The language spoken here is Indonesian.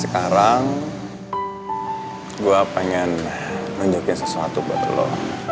sekarang gua pengen menunjukkan sesuatu buat lo